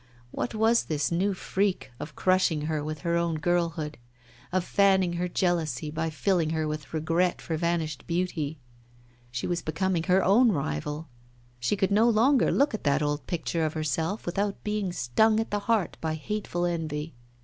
What was this new freak of crushing her with her own girlhood, of fanning her jealousy by filling her with regret for vanished beauty? She was becoming her own rival, she could no longer look at that old picture of herself without being stung at the heart by hateful envy.